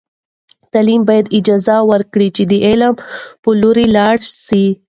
تعلیم باید اجازه ورکړي چې د علم په لور لاړ سو.